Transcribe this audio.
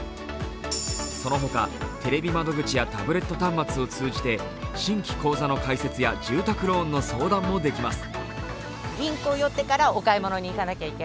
その他、テレビ窓口やタブレット端末を通じて新規口座の開設や住宅ローンの相談もできます。